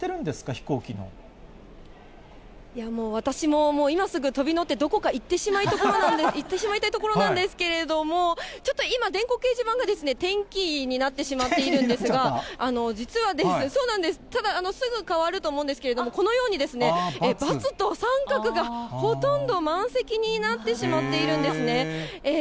飛行機もう、私も今すぐ飛び乗ってどこか行ってしまいたいところなんですけれども、ちょっと今、電光掲示板がテンキーになってしまっているんですが、実は、ただ、すぐ変わると思うんですけど、このように、ばつと三角が。ほとんど満席になってしまっているんですね。